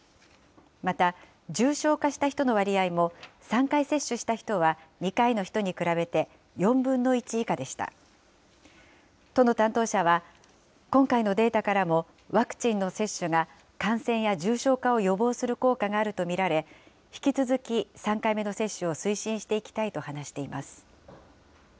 また、重症化した人の割合も、３回接種した人は２回の人に比べて４分の１以下でした。都の担当者は、今回のデータからもワクチンの接種が感染や重症化を予防する効果があると見られ、引き続き３回目の接種を推進していきたいと話しています。